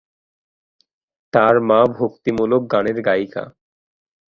তার মা ভক্তিমূলক গানের গায়িকা।